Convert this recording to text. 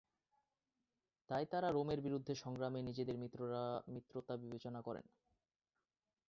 তাই তারা রোমের বিরুদ্ধে সংগ্রামে নিজেদের মিত্রতা বিবেচনা করেন।